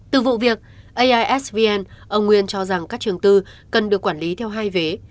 từ vụ việc aisvn ông nguyên cho rằng các trường tư cần được quản lý theo hai vé